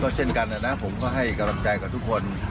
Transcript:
เช่นกันนะผมก็ให้กำลังใจกับทุกคน